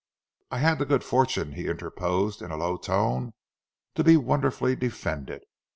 "I had the good fortune," he interposed, in a low tone, "to be wonderfully defended.